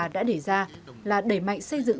đã đề ra là đẩy mạnh xây dựng